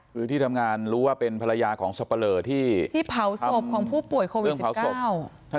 คือที่ทำงานรู้ว่าเป็นภรรยาของสับปะเลอที่เผาศพของผู้ป่วยโควิดเผาศพ